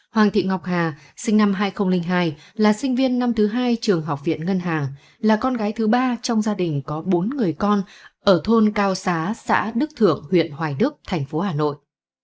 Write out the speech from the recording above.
hoàng thị ngọc hà sinh năm hai nghìn hai là sinh viên năm thứ hai trường học viện ngân hàng là con gái thứ ba trong gia đình có bốn người con ở thôn cao xá xã đức thượng huyện hoài đức thành phố hà nội